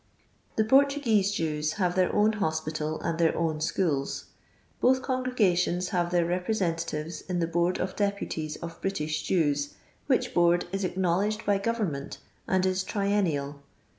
The Portuguese Jews have their own hospital and their own schools. Both con gregations have their representatives in the Board of Deputies of British Jews, which board is ac knowledged by government, and is triennial.